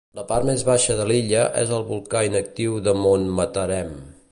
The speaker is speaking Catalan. La part més baixa de l'illa és el volcà inactiu de Mount Matarem.